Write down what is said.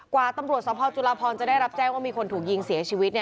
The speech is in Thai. กว่าตำรวจสัมพันธ์จุลาพรจะได้รับแจ้งว่ามีคนถูกยิงเสียชีวิต